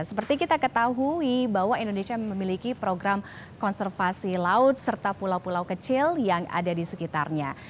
seperti kita ketahui bahwa indonesia memiliki program konservasi laut serta pulau pulau kecil yang ada di sekitarnya